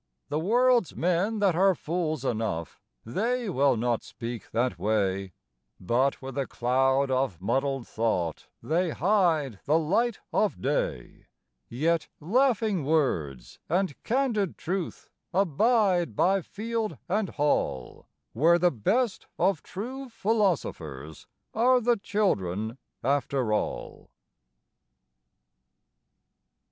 The world's men that are fools enough, They will not speak that way, But with a cloud of muddled thought They hide the light of day; Yet laughing words and candid truth Abide by field and hall, Where the best of true philosophers Are the children, after all.